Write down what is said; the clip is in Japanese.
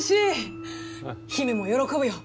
姫も喜ぶよ。